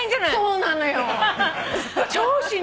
そうなの！